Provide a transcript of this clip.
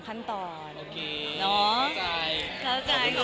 แต่ว่าเราสองคนเห็นตรงกันว่าก็คืออาจจะเรียบง่าย